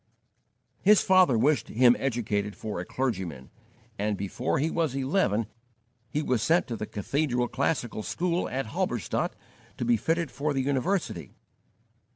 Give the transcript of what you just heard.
His father wished him educated for a clergyman, and before he was eleven he was sent to the cathedral classical school at Halberstadt to be fitted for the university.